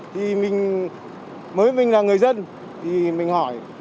thì mình mới mình là người dân thì mình hỏi